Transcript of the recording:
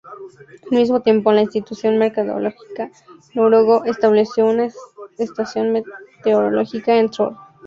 Al mismo tiempo, el Instituto Meteorológico Noruego estableció una estación meteorológica en Troll.